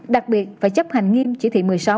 đặc biệt phải chấp hành nghiêm chỉ thị một mươi sáu